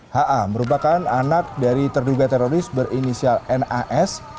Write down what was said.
ha merupakan anak dari terduga teroris berinisial nas